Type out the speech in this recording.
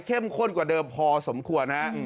เข้มข้นกว่าเดิมพอสมควรนะฮะ